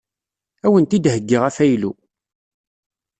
Ad awent-d-heyyiɣ afaylu.